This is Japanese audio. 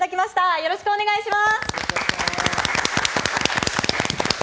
よろしくお願いします。